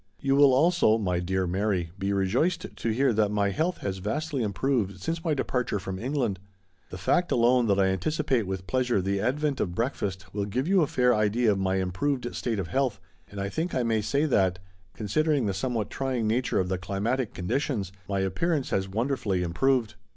" You will also, my dear Mary, be rejoiced to hear that my health has vastly improved since my departure from England ; the fact alone that I anticipate with pleasure the advent of breakfast will give you a fair idea of my improved state of health, and I think I may say that, considering the somewhat trying nature of the climatic conditions, my appearance has wonderfully improved.